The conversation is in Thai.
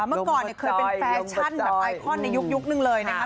เมื่อก่อนเคยเป็นแฟชั่นแบบไอคอนในยุคนึงเลยนะคะ